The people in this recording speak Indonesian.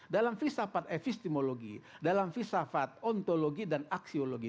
dalam fisafat epistemologi dalam filsafat ontologi dan aksiologi